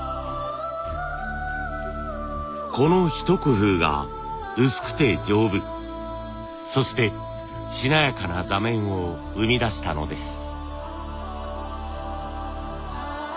この一工夫が薄くて丈夫そしてしなやかな座面を生み出したのです。